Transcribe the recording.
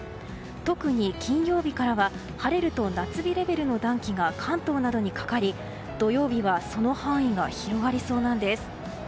特に金曜日からは晴れると夏日レベルの暖気が関東などにかかり、土曜日はその範囲が広がりそうです。